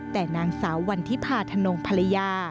แต่นางสาววันที่พาธนงภรรยา